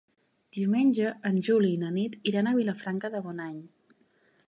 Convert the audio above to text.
Diumenge en Juli i na Nit iran a Vilafranca de Bonany.